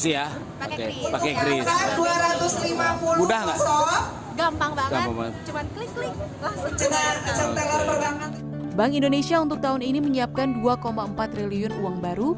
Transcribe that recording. dan menukarkan uang yang baru dari bank indonesia untuk tahun ini menyiapkan dua empat triliun uang baru